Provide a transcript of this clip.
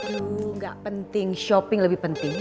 aduh gak penting shopping lebih penting